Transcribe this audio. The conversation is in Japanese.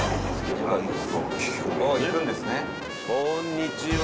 こんにちは。